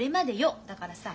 だからさ